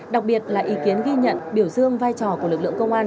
đặc biệt là ý kiến ghi nhận biểu dương vai trò của lực lượng công an